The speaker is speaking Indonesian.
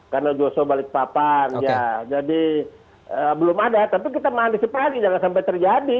karena joso balikpapan ya jadi belum ada tapi kita mengantisipasi jangan sampai terjadi